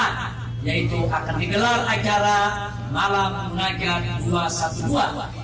untuk bermunajat kepada pendosong anak kuat allah